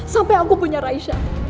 sampai aku punya raisa